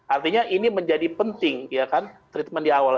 artinya ini menjadi penting ya kan treatment di awal